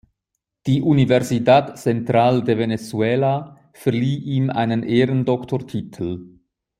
Die Universidad Central de Venezuela verlieh ihm einen Ehrendoktortitel.